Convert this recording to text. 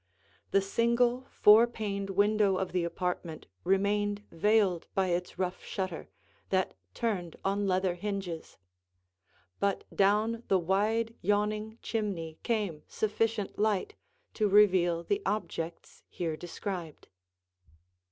The single four paned window of the apartment remained veiled by its rough shutter, that turned on leather hinges; but down the wide yawning chimney came sufficient light to reveal the objects here described.